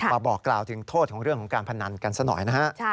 บอกกล่าวถึงโทษของเรื่องของการพนันกันซะหน่อยนะฮะ